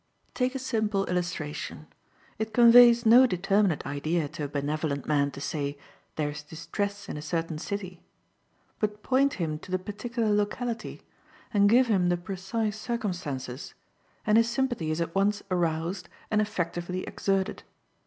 Take a simple illustration. It conveys no determinate idea to a benevolent man to say, "There is distress in a certain city;" but point him to the particular locality, and give him the precise circumstances, and his sympathy is at once aroused and effectively exerted.